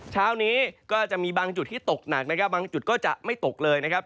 เช้านี้ก็จะมีบางจุดที่ตกหนักนะครับบางจุดก็จะไม่ตกเลยนะครับ